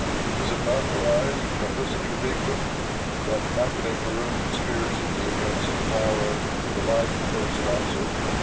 Does it not arise from complicity with England, that machinator of conspiracies against the power and the life of the First Consul?